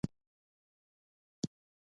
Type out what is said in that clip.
زه بخښنه غواړم